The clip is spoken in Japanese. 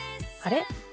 あれ？